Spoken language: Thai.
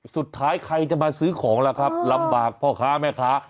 สุดท้ายใครจะมาซื้อของล่ะครับลำบากพ่อค้าแม่ค้า